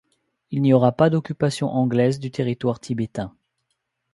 Il n’y aura pas d’occupation anglaise du territoire tibétain.